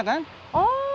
akarnya udah banyak kan